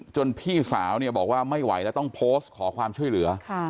พี่สาวเนี่ยบอกว่าไม่ไหวแล้วต้องโพสต์ขอความช่วยเหลือ